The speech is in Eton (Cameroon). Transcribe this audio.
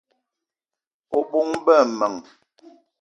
O bóng-be m'men